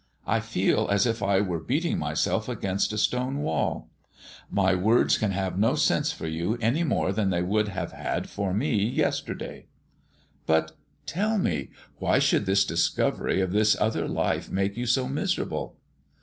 I feel as if I were beating myself against a stone wall. My words can have no sense for you any more than they would have had for me yesterday." "But tell me, why should this discovery of this other life make you so miserable?"